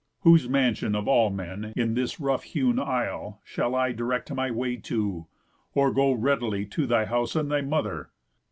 Whose mansión, Of all men, in this rough hewn isle, shall I Direct my way to? Or go readily To thy house and thy mother?"